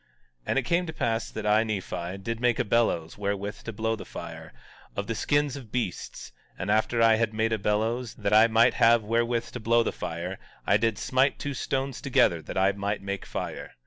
17:11 And it came to pass that I, Nephi, did make a bellows wherewith to blow the fire, of the skins of beasts; and after I had made a bellows, that I might have wherewith to blow the fire, I did smite two stones together that I might make fire.